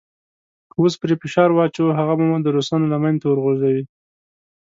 که اوس پرې فشار واچوو هغه به مو د روسانو لمنې ته وغورځوي.